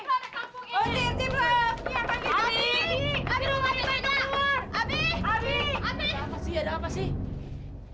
oh siapa sih ada apaan ini